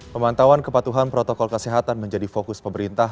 pemantauan kepatuhan protokol kesehatan menjadi fokus pemerintah